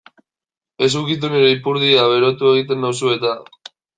Ez ukitu nire ipurdia berotu egiten nauzu eta.